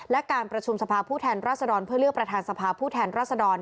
และการประชุมสภาพผู้แทนรัศดรเพื่อเลือกประธานสภาผู้แทนรัศดร